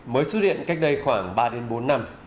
mới xuất hiện cách đây khoảng ba bốn năm